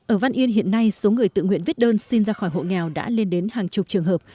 ở văn yên hiện nay số người tự nguyện viết đơn xin ra khỏi hộ nghèo đã lên đến hàng chục trường hợp